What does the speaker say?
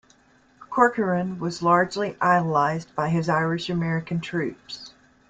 Corcoran was largely idolized by his Irish-American troops.